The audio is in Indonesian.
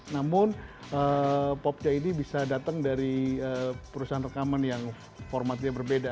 namun popco ini bisa datang dari perusahaan rekaman yang formatnya berbeda